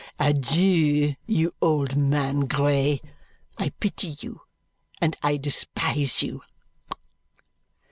Adieu, you old man, grey. I pity you, and I despise you!"